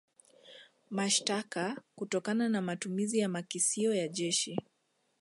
Mashtaka kutokana na matumizi ya makisio ya jeshi